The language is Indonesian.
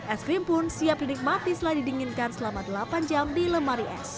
es krim pun siap dinikmati setelah didinginkan selama delapan jam di lemari es